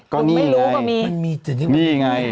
ก็มีไงมันมีจริงมีไงมันมีจริง